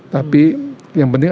tapi yang penting